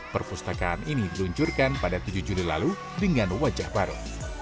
perpustakaan ini diluncurkan pada tujuh juli lalu dengan wajah baru